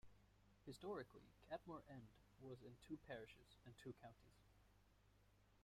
Historically Cadmore End was in two parishes and two counties.